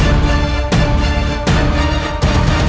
aku tidak pernah mengenalmu